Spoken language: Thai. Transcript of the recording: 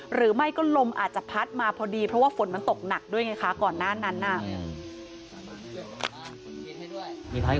หรือไม่ก็ลมอาจจะพัดมาพอดีเพราะว่าฝนมันตกหนักด้วยไงคะก่อนหน้านั้นน่ะ